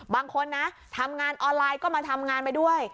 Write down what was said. บางคนนะทำงานออนไลน์ก็มาทำงานไปด้วย